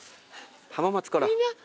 浜松から。